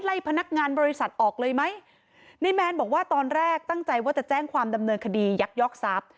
พนักงานบริษัทออกเลยไหมในแมนบอกว่าตอนแรกตั้งใจว่าจะแจ้งความดำเนินคดียักยอกทรัพย์